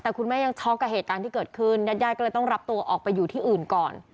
แต่คุณแม่ยังช็อกกับเหตุการณ์ที่เกิดขึ้นญาติญาติก็เลยต้องรับตัวออกไปอยู่ที่อื่นก่อน